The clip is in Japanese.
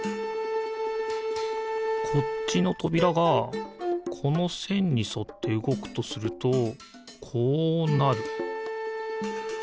こっちのとびらがこのせんにそってうごくとするとこうなる。